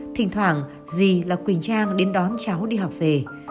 thỉnh thoảng gì là quỳnh trang đến đón cháu đi học về